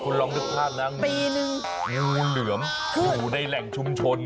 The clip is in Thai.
คุณลองนึกภาพนะปีนึงงูเหลือมอยู่ในแหล่งชุมชน